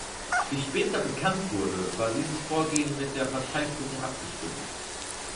Wie später bekannt wurde, war dieses Vorgehen mit der Parteiführung abgestimmt.